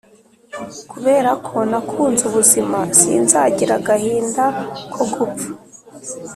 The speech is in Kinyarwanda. kubera ko nakunze ubuzima, sinzagira agahinda ko gupfa.